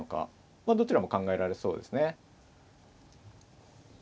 まあどちらも考えられそうですね。